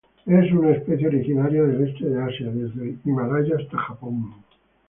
Es una especie originaria del este de Asia, desde el Himalaya hasta Japón.